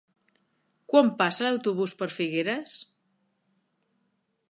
Quan passa l'autobús per Figueres?